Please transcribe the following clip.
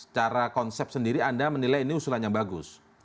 secara konsep sendiri anda menilai ini usulannya bagus